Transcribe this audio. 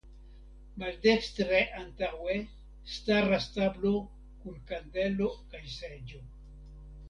Maldekstre antaŭe staras tablo kun kandelo kaj seĝo.